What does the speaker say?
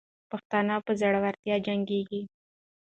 پښتانه په زړورتیا جنګېږي.